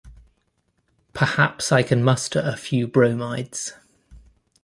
Perhaps I can muster a few bromides.